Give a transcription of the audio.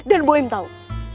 dan boeim tau